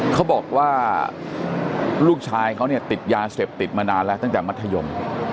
เขาบอกว่าลูกชายเขาเนี่ยติดยาเสพติดมานานแล้วตั้งแต่มัธยม